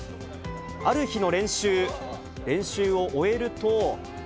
ある日の練習、練習を終えると。